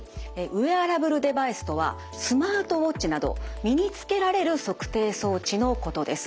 ウェアラブルデバイスとはスマートウォッチなど身に着けられる測定装置のことです。